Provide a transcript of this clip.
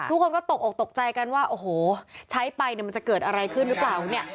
ทุกคนก็ตกออกตกใจกันว่าโอ้โหใช้ไปเนี่ยมันจะเกิดอะไรขึ้นหรือเปล่าเนี่ย